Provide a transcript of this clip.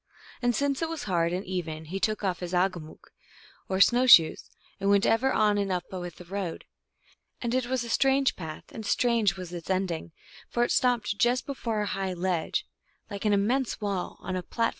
And since it was hard and even, he took off his agahmook (P.) or snow shoes, and went ever on and up with the road ; and it was a strange path and strange was its ending, for it stopped just before a high ledge, like an im mense wall, on a platform at its foot.